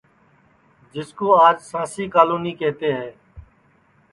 جِسکُو آج سانٚسی کالونی کیہتے ہے